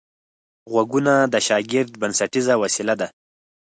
غوږونه د شاګرد بنسټیزه وسیله ده